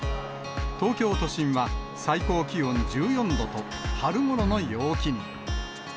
東京都心は最高気温１４度と、春ごろの陽気に。